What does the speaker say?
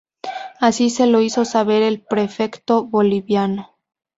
Así se lo hizo saber al Prefecto boliviano.